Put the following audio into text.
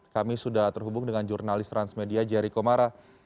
kami sudah terhubung dengan jurnalis transmedia jerry komara